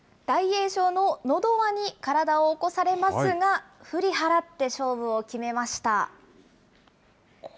大栄翔ののど輪に体を起こされますが、振り払って勝負を決めました。